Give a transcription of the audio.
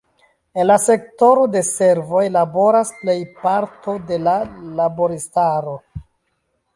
En la sektoro de servoj laboras plej parto de la laboristaro.